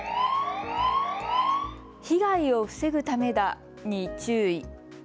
被害を防ぐためだに注意。